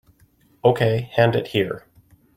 Okay, hand it here.